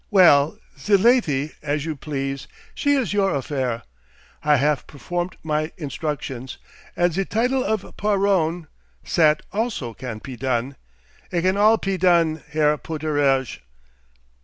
"Well, ze laty as you please. She is your affair. I haf performt my instructions. And ze title of Paron, zat also can pe done. It can all pe done, Herr Pooterage."